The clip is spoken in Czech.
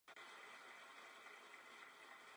Musíme počkat a udivíme, jak se projekt vyvine.